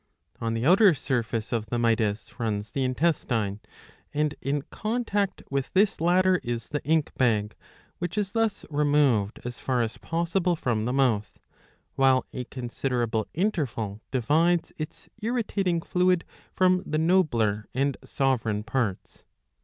On the outer surface of the mytis runs the intestine ; and in contact with this latter is the ink bag, which is thus removed as far as possible from the mouth, while a considerable interval divides its irritating fluid from the nobler and sovereign parts.